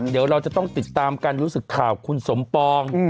เดี๋ยวเราจะต้องติดตามการรู้สึกข่าวคุณสมปอง